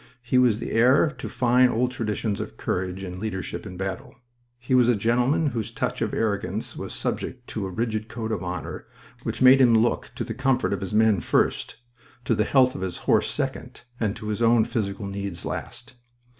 He was the heir to fine old traditions of courage and leadership in battle. He was a gentleman whose touch of arrogance was subject to a rigid code of honor which made him look to the comfort of his men first, to the health of his horse second, to his own physical needs last.